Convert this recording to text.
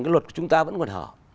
cái luật của chúng ta vẫn còn hở